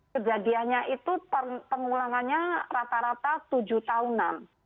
kejadiannya itu pengulangannya rata rata tujuh tahunan